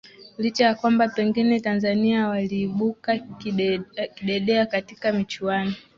licha ya kwamba pengine tanzania waliibuka akidedea katika michuano